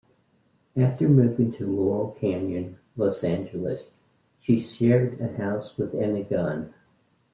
After moving to Laurel Canyon, Los Angeles, she shared a house with Anna Gunn.